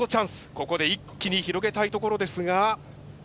ここで一気に広げたいところですが。